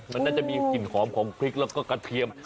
มันน่าจะมีกลิ่นหอมของพริกแล้วก็กระเทียม